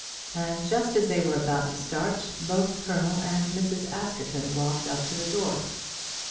And just as they were about to start, both Colonel and Mrs. Askerton walked up to the door.